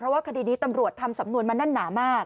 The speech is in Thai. ว่าคดีนี้ตำรวจทำสำนวนมาแน่นหนามาก